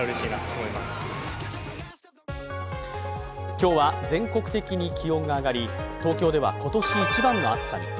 今日は全国的に気温が上がり、東京では今年一番の暑さに。